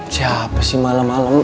siapa sih malem malem